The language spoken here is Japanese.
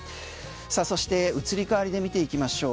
そして移り変わりで見ていきましょう。